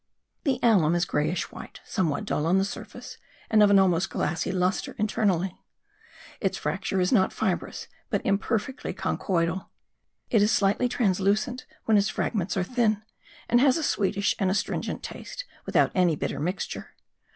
The alum is greyish white, somewhat dull on the surface and of an almost glassy lustre internally. Its fracture is not fibrous but imperfectly conchoidal. It is slightly translucent when its fragments are thin; and has a sweetish and astringent taste without any bitter mixture.